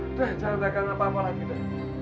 sudah jangan dagang apa apa lagi tuh